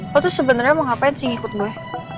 aku tuh sebenarnya mau ngapain sih ngikut gue